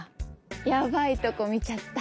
ヤバいとこ見ちゃった。